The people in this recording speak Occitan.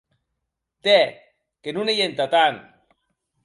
Tè!, que non ei entà tant.